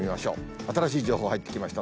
新しい情報、入ってきました。